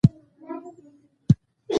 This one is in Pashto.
د ژبې په واسطه خوند ونه څکل شي.